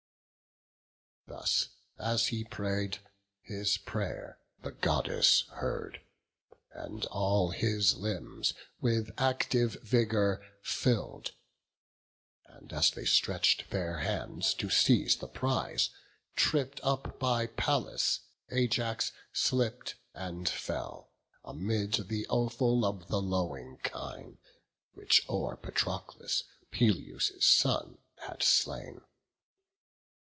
Thus as he pray'd, his pray'r the Goddess heard, And all his limbs with active vigour fill'd; And, as they stretch'd their hands to seize the prize, Tripp'd up by Pallas, Ajax slipp'd and fell, Amid the offal of the lowing kine Which o'er Patroclus Peleus' son had slain.